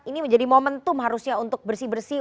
ini menjadi momentum harusnya untuk bersih bersih